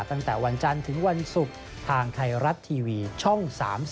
ตั้งแต่วันจันทร์ถึงวันศุกร์ทางไทยรัฐทีวีช่อง๓๒